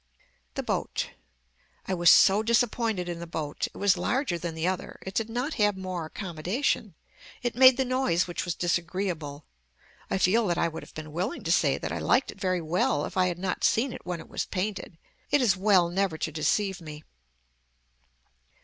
THE BOAT I was so disappointed in the boat. It was larger than the other. It did not have more accomodation. It made the noise which was disagreeable. I feel that I would have been willing to say that I liked it very well if I had not seen it when it was painted. It is well never to deceive me.